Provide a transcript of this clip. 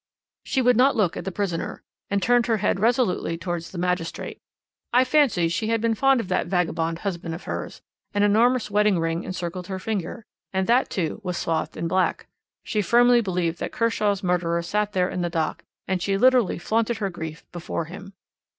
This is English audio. "She would not look at the prisoner, and turned her head resolutely towards the magistrate. I fancy she had been fond of that vagabond husband of hers: an enormous wedding ring encircled her finger, and that, too, was swathed in black. She firmly believed that Kershaw's murderer sat there in the dock, and she literally flaunted her grief before him.